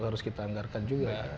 harus kita anggarkan juga